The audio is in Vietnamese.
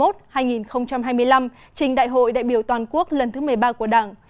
trình đại hội đại biểu toàn quốc lần thứ một mươi ba của đảng